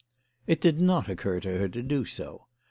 It did not occur to her to do so.